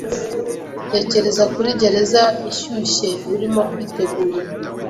Tekereza kuri gereza ishyushye urimo kwitegura